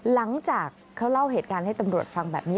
หลังจากเขาเล่าเหตุการณ์ให้ตำรวจฟังแบบนี้